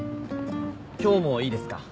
今日もいいですか？